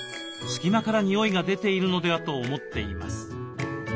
隙間から臭いが出ているのではと思っています。